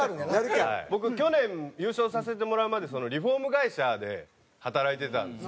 僕去年優勝させてもらうまでリフォーム会社で働いてたんですよ